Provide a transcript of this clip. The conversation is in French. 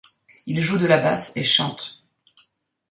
Il joue de la basse et chante.